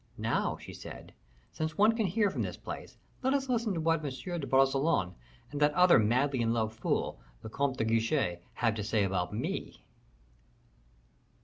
"Now," she said, "since one can hear from this place, let us listen to what M. de Bragelonne and that other madly in love fool, the Comte de Guiche, have to say about me."